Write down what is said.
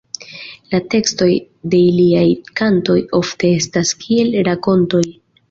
La tekstoj de iliaj kantoj ofte estas kiel rakontoj.